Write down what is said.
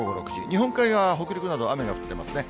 日本海側、北陸など雨が降っていますね。